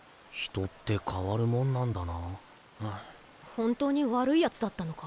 本当に悪いヤツだったのか？